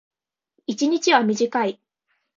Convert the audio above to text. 一日は短い。